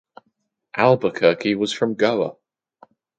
Albuquerque was from Goa.